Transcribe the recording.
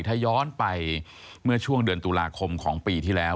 ถ้าย้อนไปเมื่อช่วงเดือนตุลาคมของปีที่แล้ว